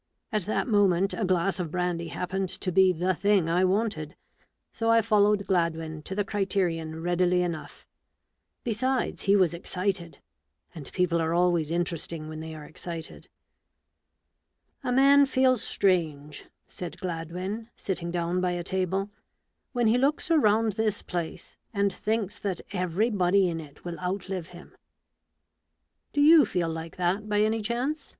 At that moment a glass of brandy happened to be the thing I wanted ; so I followed Gladwin to the Criterion readily enough. Besides, he was excited : and people are always interesting when they are excited. " A man feels strange," said Gladwin, sitting down by a table, " when he looks around this place and thinks that everybody in it will outlive him." 100 A BOOK OF BARGAINS. " Do you feel like that, by any chance ?